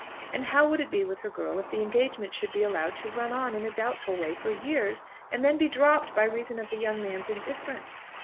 And how would it be with her girl if the engagement should be allowed to run on in a doubtful way for years, and then be dropped by reason of the young man's indifference?